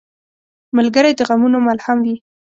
ملګری د غمونو ملهم وي.